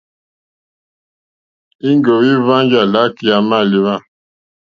Íŋgòwá íhwáŋgà lǎkèyà mâlíwà.